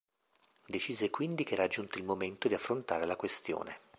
Decise quindi che era giunto il momento di affrontare la questione.